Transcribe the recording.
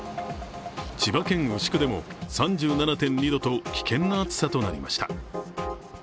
千葉県牛久でも３７．２度と危険な暑さとなりました。